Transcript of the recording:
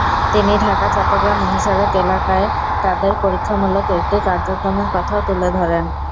তিনি ঢাকা চট্টগ্রাম মহাসড়ক এলাকায় তাদের পরীক্ষামূলক একটি কার্যক্রমের কথাও তুলে ধরেন।